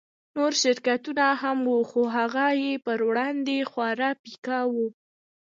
نور شرکتونه هم وو خو هغه يې پر وړاندې خورا پيکه وو.